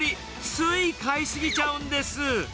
つい買い過ぎちゃうんです。